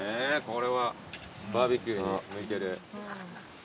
これはバーベキューに向いてる。